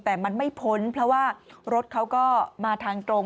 แต่มันไม่พ้นเพราะว่ารถเขาก็มาทางตรง